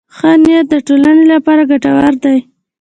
ښه نیت د ټولنې لپاره ګټور دی.